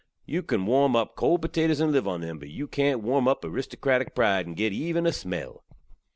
Yu kan warm up kold potatoze and liv on them, but yu kant warm up aristokratik pride and git even a smell.